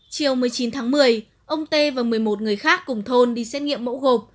chiều một mươi chín tháng một mươi ông tê và một mươi một người khác cùng thôn đi xét nghiệm mẫu gộp